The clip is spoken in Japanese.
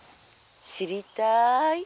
「知りたい？」。